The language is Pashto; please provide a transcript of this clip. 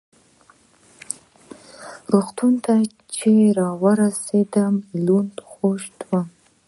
روغتون ته چې را ورسېدم لوند خېشت وم.